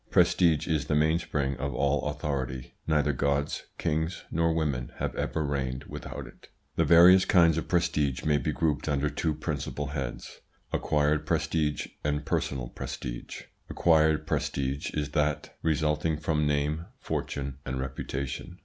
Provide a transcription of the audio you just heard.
Prestige is the mainspring of all authority. Neither gods, kings, nor women have ever reigned without it. The various kinds of prestige may be grouped under two principal heads: acquired prestige and personal prestige. Acquired prestige is that resulting from name, fortune, and reputation.